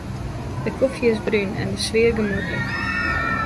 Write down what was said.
De kofje is brún en de sfear gemoedlik.